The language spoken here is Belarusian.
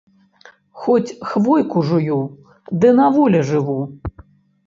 Хоць хвойку жую, ды на волі жыву